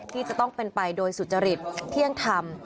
ที่จะต้องเป็นไปโดยสุจริตเที่ยงธรรม